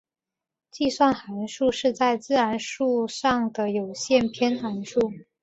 计算函数是在自然数上的有限偏函数。